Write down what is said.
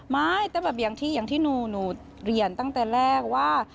ไม่แต่แบบอย่างที่หนูเรียนตั้งแต่แรกว่า